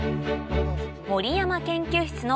守山研究室の